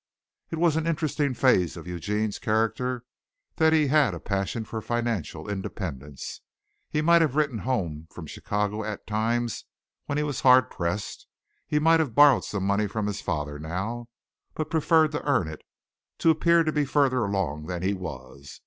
It was an interesting phase of Eugene's character that he had a passion for financial independence. He might have written home from Chicago at times when he was hard pressed; he might have borrowed some money from his father now, but preferred to earn it to appear to be further along than he was.